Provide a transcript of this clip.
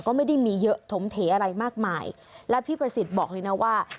ก็ไม่ได้มีเยอะถมเถอะไรมากมายแล้วพี่ประสิทธิ์บอกเลยนะว่า